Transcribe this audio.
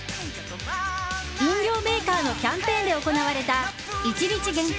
飲料メーカーのキャンペーンで行われた１日限定